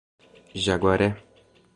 Jaguaré